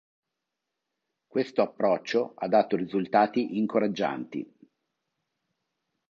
Questo approccio ha dato risultati incoraggianti.